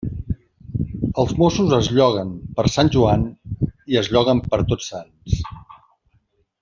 Els mossos es lloguen per Sant Joan i es lloguen per Tots Sants.